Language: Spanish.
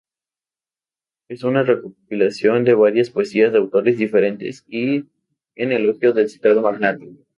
Es una recopilación de varias poesías de autores diferentes, en elogio del citado magnate.